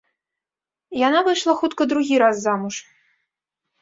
Яна выйшла хутка другі раз замуж.